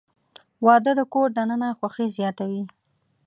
• واده د کور دننه خوښي زیاتوي.